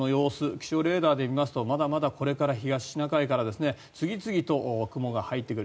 気象レーダーで見ますとまだまだこれから東シナ海から次々と雲が入ってくる。